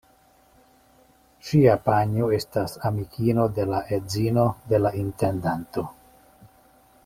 Ŝia panjo estas amikino de la edzino de la intendanto.